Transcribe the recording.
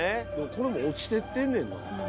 ・これ落ちてってんねん。